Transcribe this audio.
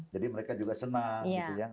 jadi mereka juga senang